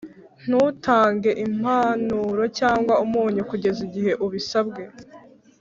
ntutange impanuro cyangwa umunyu kugeza igihe ubisabwe